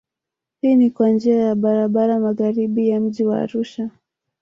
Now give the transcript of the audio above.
Hii ni kwa njia ya barabara magharibi ya mji wa Arusha